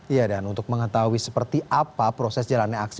iya dan untuk mengetahui seperti apa proses jalannya aksi